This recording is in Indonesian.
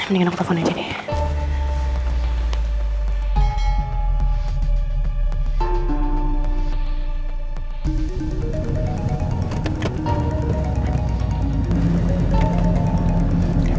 mendingan aku telepon aja deh